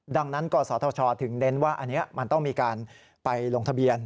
ดังนั้นกศธชถึงเน้นว่าอันนี้มันต้องมีการไปลงทะเบียน